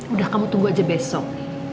udah kamu tunggu aja besok